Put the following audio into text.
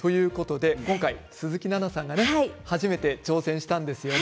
今回、鈴木奈々さんが初めて挑戦したんですよね。